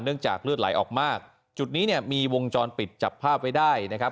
จากเลือดไหลออกมากจุดนี้เนี่ยมีวงจรปิดจับภาพไว้ได้นะครับ